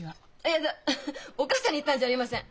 嫌だお義母さんに言ったんじゃありません。